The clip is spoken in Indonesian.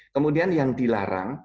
kemudian yang dilarang